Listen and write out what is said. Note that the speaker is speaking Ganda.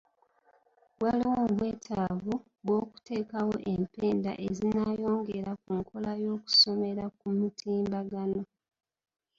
Waliwo obwetaavu bw'okuteekawo empenda ezinaayongera ku nkola y'okusomera ku mutimbagano.